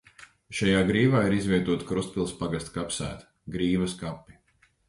Šajā grīvā ir izvietota Krustpils pagasta kapsēta – Grīvas kapi.